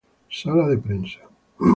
Sala de Prensa